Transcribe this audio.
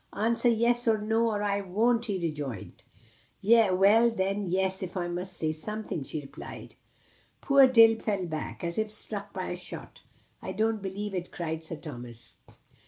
"Answer 'yes' or 'no,' or I won't," he rejoined. "Well, then, 'yes!' if I must say something," she replied. Poor Dick fell back, as if struck by a shot. "I don't believe it," cried Sir Thomas.